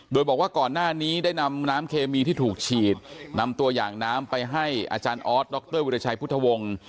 โดยบอกว่าก่อนหน้านี้ได้นำน้ำเคมีที่ถูกฉีดนำตัวอย่างน้ำไปให้อาจารย์ออสดรวิรชัยพุทธวงศ์